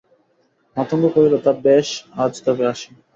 মাতঙ্গ কহিল, তা বেশ, আজ তবে আসি।